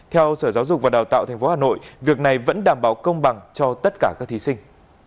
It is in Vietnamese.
theo sở giáo dục và đào tạo tp hà nội việc này vẫn đảm bảo công bằng cho tất cả các thí sinh